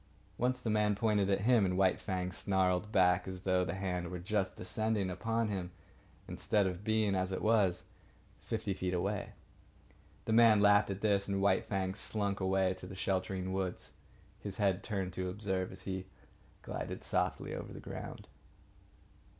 Once, the man pointed at him, and White Fang snarled back as though the hand were just descending upon him instead of being, as it was, fifty feet away. The man laughed at this; and White Fang slunk away to the sheltering woods, his head turned to observe as he glided softly over the ground.